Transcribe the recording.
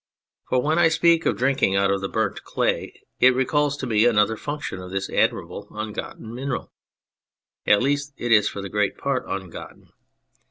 for when I speak of drink ing out of the burnt clay it recalls to me another function of this admirable ungotten mineral at least it is for the greater part ungotten.